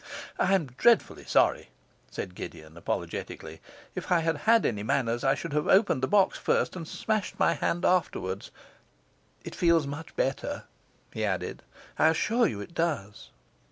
'I am dreadfully sorry!' said Gideon apologetically. 'If I had had any manners I should have opened the box first and smashed my hand afterward. It feels much better,' he added. 'I assure you it does.